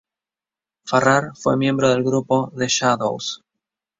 Farrar fue miembro del grupo The Shadows.